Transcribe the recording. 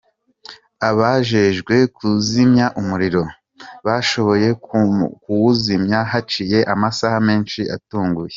Abajejwe kuzimya umuriro, bashoboye kuwuzimya haciye amasaha menshi utanguye.